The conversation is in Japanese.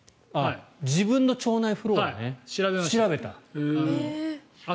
自分の腸内フローラ調べた？